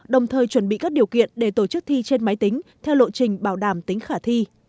đồng thời chuẩn bị các điều kiện để tổ chức thi trên máy tính theo lộ trình bảo đảm tính khả thi